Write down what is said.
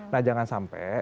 nah jangan sampai